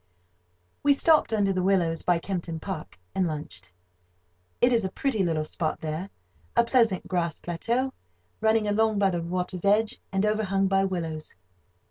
We stopped under the willows by Kempton Park, and lunched. It is a pretty little spot there: a pleasant grass plateau, running along by the water's edge, and overhung by willows.